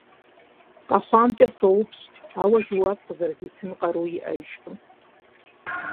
КъэхъуамкӀэ соупщӀ, ауэ жэуап къызэрызитын къаруи иӀэжкъым.